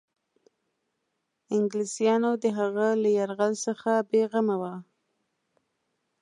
انګلیسیانو د هغه له یرغل څخه بېغمه وه.